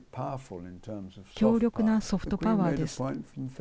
強力なソフトパワーです。